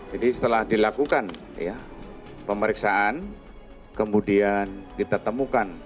jadi setelah dilakukan pemeriksaan kemudian dilakukan penyelamatan